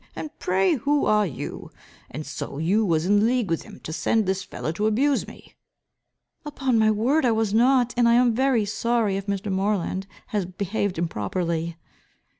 And pray who are you? And so you was in league with him to send this fellow to abuse me?" "Upon my word, I was not. And I am very sorry if Mr. Moreland has behaved improperly."